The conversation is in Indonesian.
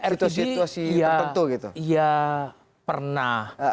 rpc ya pernah